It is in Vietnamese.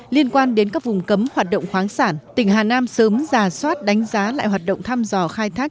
liên quan đến các vùng cấm hoạt động khoáng sản tỉnh hà nam sớm ra soát đánh giá lại hoạt động thăm dò khai thác